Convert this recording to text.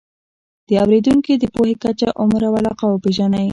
د اورېدونکو د پوهې کچه، عمر او علاقه وپېژنئ.